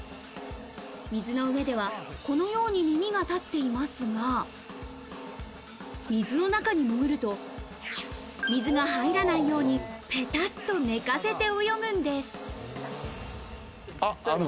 水の上では、このように耳が立っていますが、水の中に潜ると、水が入らないようにペタッと寝かせて泳ぐんです。